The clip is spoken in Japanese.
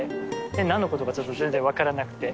なんの事かちょっと全然わからなくて。